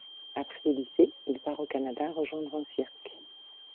Après le lycée, il part au Canada rejoindre un cirque.